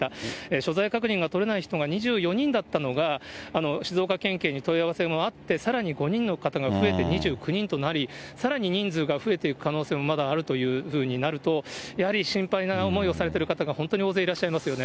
所在確認が取れない人が２４人だったのが、静岡県警に問い合わせもあって、さらに５人の方が増えて２９人となり、さらに人数が増えていく可能性もまだあるというふうになると、やはり心配な思いをされてる方が、本当に大勢いらっしゃいますよね。